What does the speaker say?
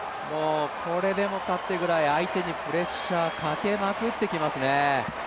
これでもかというくらい、相手にプレッシャーかけまくってきますね。